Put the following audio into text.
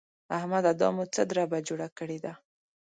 احمده! دا مو څه دربه جوړه کړې ده؟!